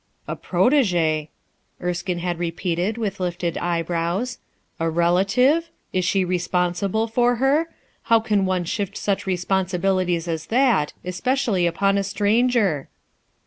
"A protege," Erskinc had repeated with lifted eyebrows, "A relative? Is she respon sible for her ? How can one shift such responsi bilities as that, especially upon a stranger?"